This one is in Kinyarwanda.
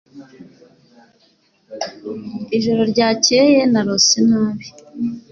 Ijoro ryakeye narose nabi.